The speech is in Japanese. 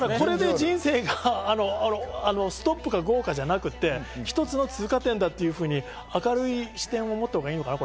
それで人生がストップかゴーかじゃなくて、ひとつの通過点だっていうふうに、明るい視点を持ったほうがいいのかな？